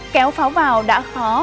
kéo pháo vào đã khó